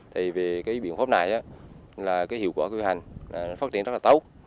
thì về biện pháp này là hiệu quả cư hành phát triển rất là tốt